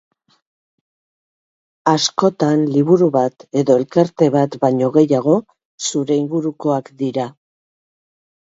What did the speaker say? Askotan, liburu bat edo elkarte bat baino gehiago, zure ingurukoak dira.